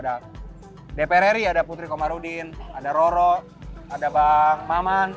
ada dpr ri ada putri komarudin ada roro ada bang maman